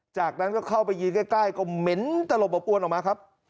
จากนั้นก็เข้าไปยืนใกล้ก็เหม็นตลบอบอวนออกมาครับ